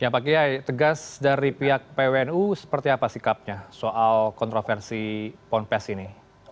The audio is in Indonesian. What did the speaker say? pak kiai tegas dari pihak pwnu seperti apa sikapnya soal kontroversi ponpes ini